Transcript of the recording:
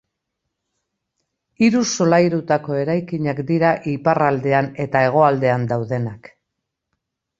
Hiru solairutako eraikinak dira iparraldean eta hegoaldean daudenak.